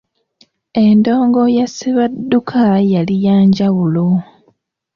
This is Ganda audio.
Endongo ya Ssebadduka yali ya njawulo.